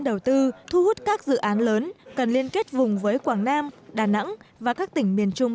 đầu tư thu hút các dự án lớn cần liên kết vùng với quảng nam đà nẵng và các tỉnh miền trung